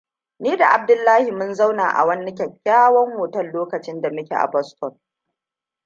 Ni da Abdullahi mun zauna a wani kyakkyawa otal lokacin da muke a Boston.